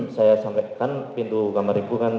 saya sampaikan pintu kamar ibu kan